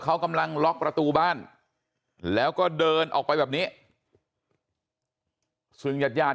เขากำลังล็อกประตูบ้านแล้วก็เดินออกไปแบบนี้ซึ่งญาติญาติ